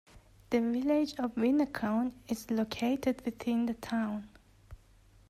The Village of Winneconne is located within the town.